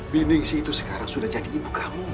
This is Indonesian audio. bining sih itu sekarang sudah jadi ibu kamu